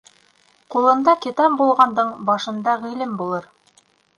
Ҡулында китап булғандың башында ғилем булыр.